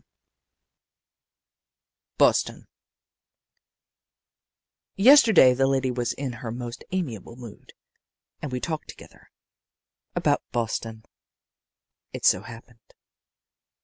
IV BOSTON Yesterday the lady was in her most amiable mood, and we talked together about Boston, it so happened.